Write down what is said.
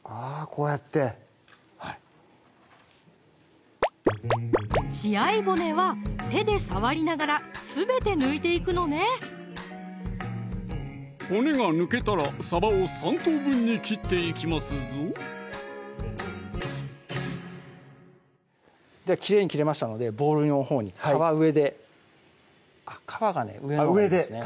こうやってはい血合い骨は手で触りながらすべて抜いていくのね骨が抜けたらさばを３等分に切っていきますぞではきれいに切れましたのでボウルのほうに皮上であっ皮がね上のほうですね